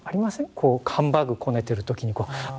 こうハンバーグこねてる時にあ